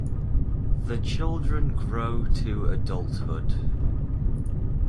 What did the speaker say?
The children grow to adulthood.